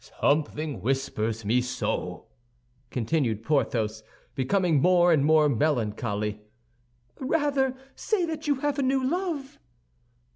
"Something whispers me so," continued Porthos, becoming more and more melancholy. "Rather say that you have a new love."